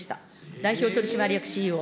代表取締役ＣＥＯ。